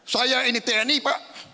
saya ini tni pak